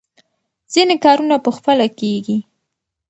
ځینې کارونه په خپله کېږي.